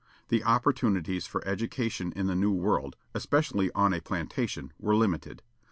The opportunities for education in the new world, especially on a plantation, were limited.